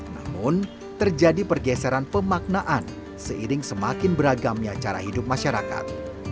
namun terjadi pergeseran pemaknaan seiring semakin beragamnya cara hidup masyarakat